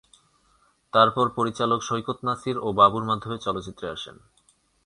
তারপর পরিচালক সৈকত নাসির ও বাবুর মাধ্যমে চলচ্চিত্রে আসেন।